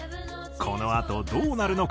このあとどうなるのか？